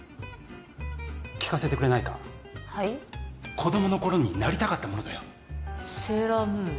子供の頃になりたかったものだよセーラームーン？